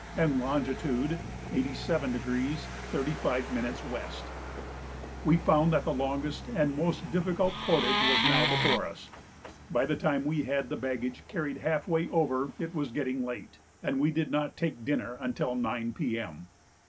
and longitude 87° 35' W. We found that the longest and most difficult portage was now before us. By the time we had the baggage carried half way over it was getting late, and we did not take dinner until 9 P.M.